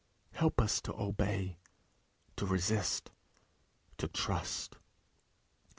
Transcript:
Help us to obey, to resist, to trust.